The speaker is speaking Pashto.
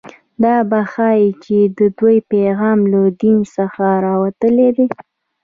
دا به ښيي چې د دوی پیغام له دین څخه راوتلی دی